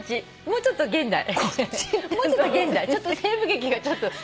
もうちょっと現代。